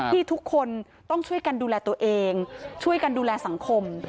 ที่ทุกคนต้องช่วยกันดูแลตัวเองช่วยกันดูแลสังคม